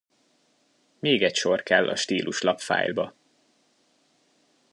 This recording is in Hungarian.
Még egy sor kell a stíluslap fájlba.